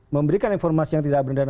memberikan informasi yang tidak benar